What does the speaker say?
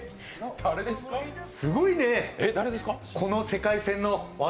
すごいね、この世界線の私。